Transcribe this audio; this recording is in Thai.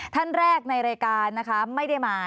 ท่านแรกในรายการนะคะไม่ได้มา